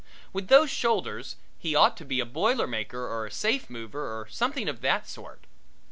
With those shoulders he ought to be a boiler maker or a safe mover or something of that sort.